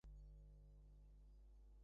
এখানটা নিরাপদ নয়।